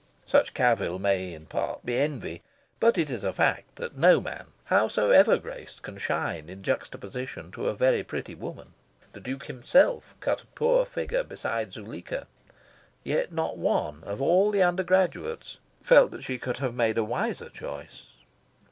Such cavil may in part be envy. But it is a fact that no man, howsoever graced, can shine in juxtaposition to a very pretty woman. The Duke himself cut a poor figure beside Zuleika. Yet not one of all the undergraduates felt she could have made a wiser choice.